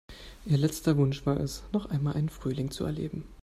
Ihr letzter Wunsch war es, noch einmal einen Frühling zu erleben.